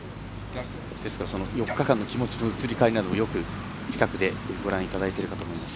ですから、４日間の気持ちの移り変わりなどもよく近くでご覧いただいているかと思います。